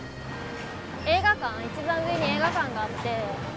映画館一番上に映画館があって。